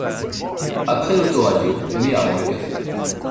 Après l’autoradio mais avant le café.